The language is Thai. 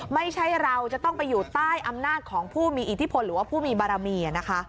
ไม่ใช่เราจะต้องไปอยู่ใต้อำนาจของผู้มีอิทธิพลหรือว่าผู้มีบารมีนะคะ